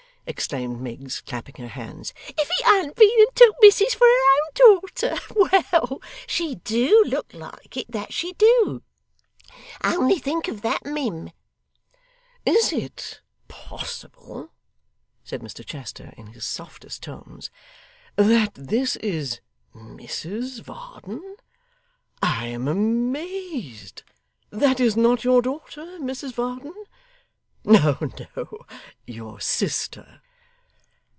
exclaimed Miggs, clapping her hands. 'If he an't been and took Missis for her own daughter. Well, she DO look like it, that she do. Only think of that, mim!' 'Is it possible,' said Mr Chester in his softest tones, 'that this is Mrs Varden! I am amazed. That is not your daughter, Mrs Varden? No, no. Your sister.